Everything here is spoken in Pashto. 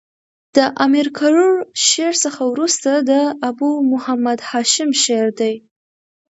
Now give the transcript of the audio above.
د امیر کروړ شعر څخه ورسته د ابو محمد هاشم شعر دﺉ.